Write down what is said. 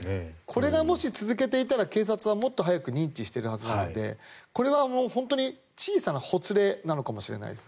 これがもし続けていたら警察はもっと早く認知しているはずなのでこれは本当に小さなほつれなのかもしれないです。